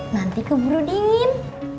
nanti keburu dingin